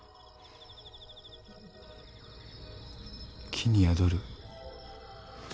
木に宿る。